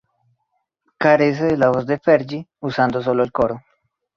Carece de la voz de Fergie, usada sólo en el coro.